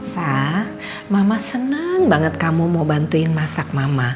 sa mama seneng banget kamu mau bantuin masak mama